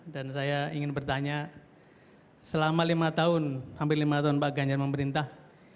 dan saya ingin bertanya selama lima tahun hampir lima tahun pak ganja memerintah